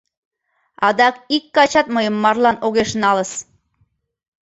Адак ик качат мыйым марлан огеш налыс...